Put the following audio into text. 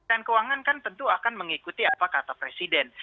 kementerian keuangan kan tentu akan mengikuti apa kata presiden